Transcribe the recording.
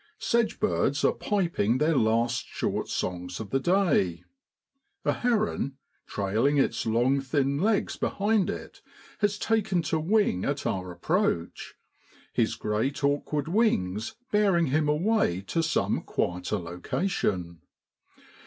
Sedge birds are piping their last short songs of the day. A heron, trailing its long thin legs behind it, has taken towing at our approach, his great awkward wings bearing him away to some quieter location.